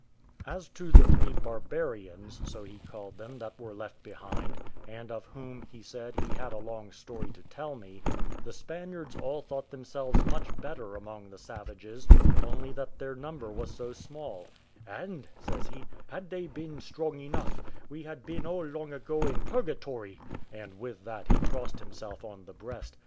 As to the three barbarians (so he called them) that were left behind, and of whom, he said, he had a long story to tell me, the Spaniards all thought themselves much better among the savages, only that their number was so small: "And," says he, "had they been strong enough, we had been all long ago in purgatory;" and with that he crossed himself on the breast.